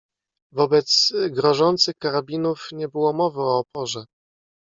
"Wobec grożących karabinów nie było mowy o oporze."